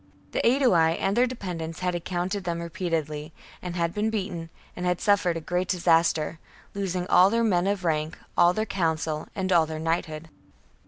The Aedui and their de pendents had encountered them repeatedly, had been beaten, and had suffered a great disaster, losing all their men of rank, all their council, and all their knighthood.